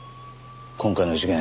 今回の事件